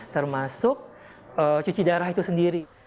termasuk cuci darah itu sendiri